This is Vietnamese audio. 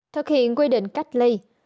thực hiện quy định cách ly